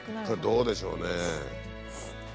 どうでしょうね。